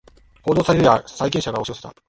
報道されるや債権者が押し寄せた